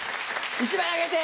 １枚あげて！